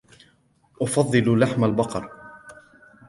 أفضل لحم البقر.